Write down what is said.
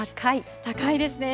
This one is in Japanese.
高いですね。